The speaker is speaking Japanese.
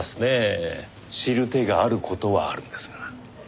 知る手がある事はあるんですが。